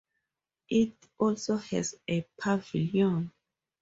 It also has a pavilion.